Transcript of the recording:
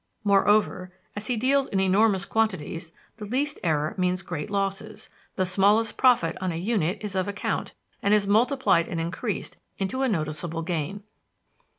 Moreover, as he deals in enormous quantities, the least error means great losses, the smallest profit on a unit is of account, and is multiplied and increased into a noticeable gain.